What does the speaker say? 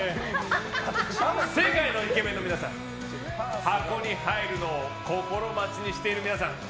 世界のイケメンの皆さん箱に入るのを心待ちにしている皆さん。